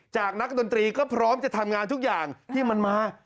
นักดนตรีก็พร้อมจะทำงานทุกอย่างที่มันมา